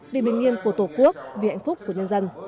vì bình yên của tổ quốc vì hạnh phúc của nhân dân